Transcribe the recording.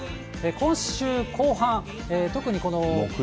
今週後半、特にこの。